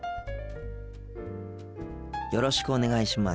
よろしくお願いします。